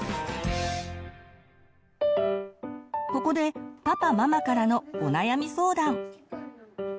ここでパパママからのお悩み相談。